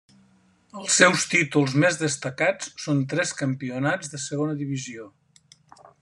Els seus títols més destacats són tres campionats de segona divisió.